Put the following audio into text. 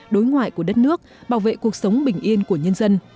đối ngoại của đất nước bảo vệ cuộc sống bình yên của nhân dân